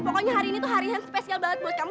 pokoknya hari ini tuh hari yang spesial banget buat kamu